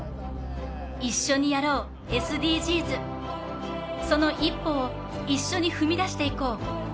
「一緒にやろうＳＤＧｓ」、その一歩を一緒に踏み出していこう。